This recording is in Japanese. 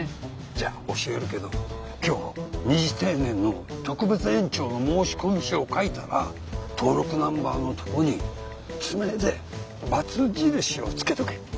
じゃあ教えるけど今日二次定年の特別延長の申し込み書を書いたら登録ナンバーのとこに爪でバツ印をつけとけ。